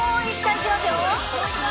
いきますよ。